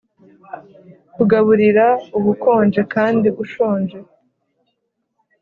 kugaburira ubukonje kandi ushonje